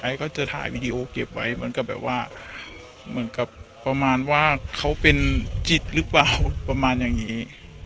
ก็จะถ่ายวีดีโอเก็บไว้เหมือนกับแบบว่าเหมือนกับประมาณว่าเขาเป็นจิตหรือเปล่าประมาณอย่างนี้